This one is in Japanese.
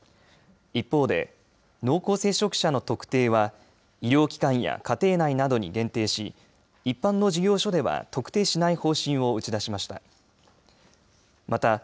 一方で濃厚接触者の特定は医療機関や家庭内などに限定し一般の事業所では特定しない方針を打ち出しました。